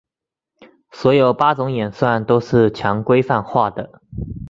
所有八种演算都是强规范化的。